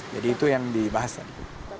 jadi itu yang dibahas tadi